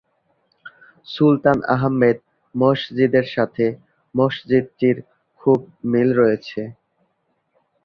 সুলতান Ahmed মসজিদের সাথে মসজিদটির খুব মিল রয়েছে।